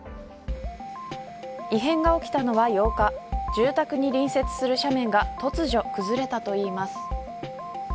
異変が起きたのは８日住宅に隣接する斜面が突如、崩れたといいます。